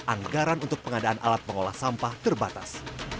anggaran untuk pengadaan alat pengolah sampah terbatas